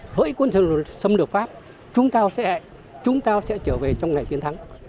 hỡi quân xâm lược pháp chúng ta sẽ trở về trong ngày chiến thắng